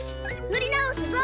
塗り直すぞ！